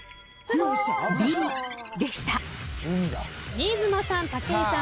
新妻さん武井さん